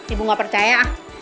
ibu gak percaya